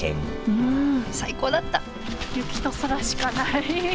うん最高だった雪と空しかない。